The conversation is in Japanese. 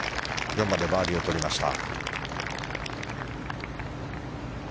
４番でバーディーをとりました。